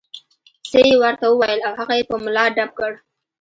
څه یې ورته وویل او هغه یې په ملا ډب کړ.